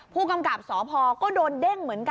ผู้กำกับสพก็โดนเด้งเหมือนกัน